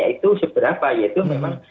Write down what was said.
itu seberapa ya itu memang